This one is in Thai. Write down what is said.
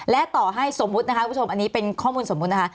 และต่อให้สมมุตินะคะคุณผู้ชมอันนี้เป็นข้อมูลสมมุตินะคะ